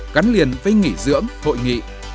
gắn liền với nghỉ dưỡng hội nghị